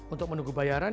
untuk menunggu bayaran